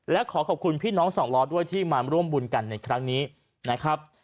และขอขอบคุณพี่น้องสองล้อด้วยที่มาร่วมบุญกันในครั้งนี้นะครับ